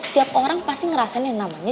tiap orang pasti ngerasain yang namanya